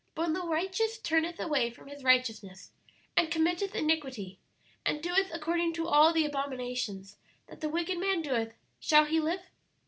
"'But when the righteous turneth away from his righteousness and committeth iniquity, and doeth according to all the abominations that the wicked man doeth, shall he live?